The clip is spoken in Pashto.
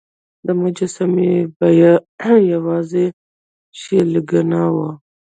د مجسمې بیه یوازې څو شیلینګه وه.